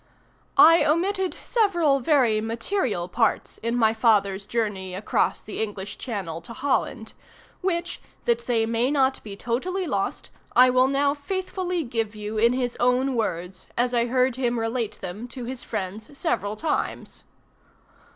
_ I omitted several very material parts in my father's journey across the English Channel to Holland, which, that they may not be totally lost I will now faithfully give you in his own words, as I heard him relate them to his friends several times.